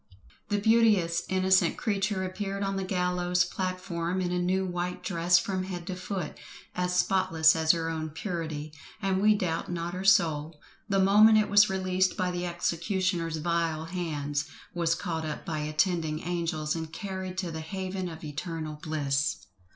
The beauteous innocent creature appeared on the gallows platform in a new white dress from head to foot, as spotless as her own purity; and we doubt not her soul, the moment it was released by the executioner's vile hands, was caught up by attending angels and carried to the haven of eternal bliss.